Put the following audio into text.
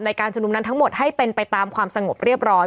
การชุมนุมนั้นทั้งหมดให้เป็นไปตามความสงบเรียบร้อย